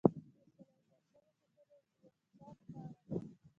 یو سل او دیرشمه پوښتنه د ورکشاپ په اړه ده.